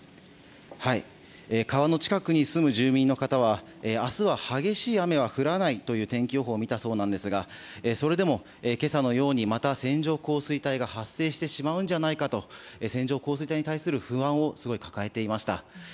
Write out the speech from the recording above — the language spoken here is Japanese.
川の近くに住む住民の方は明日は激しい雨は降らないという天気予報を見たそうなんですがそれでも今朝のようにまた線状降水帯が発生してしまうんじゃないかと線状降水帯に対する不安をすごい抱えていました。